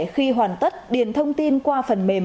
khi hoàn tất điền thông tin qua phần mềm